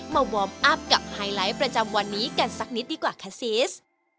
วอร์มอัพกับไฮไลท์ประจำวันนี้กันสักนิดดีกว่าคาซิส